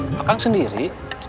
pak kang sendiri